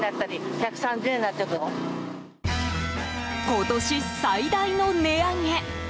今年最大の値上げ。